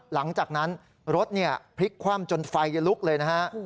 หลังจากนั้นรถพลิกคว่ำจนไฟลุกเลยนะฮะ